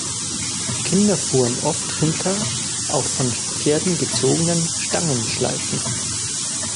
Kinder fuhren oft hinter auf von Pferden gezogenen Stangenschleifen.